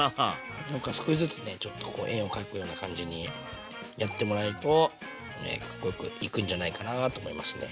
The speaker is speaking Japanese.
なんか少しずつねちょっと円を描くような感じにやってもらえるとかっこよくいくんじゃないかなと思いますね。